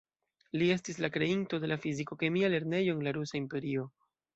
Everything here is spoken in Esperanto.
Li estis la kreinto de la fiziko-kemia lernejo en la Rusa Imperio.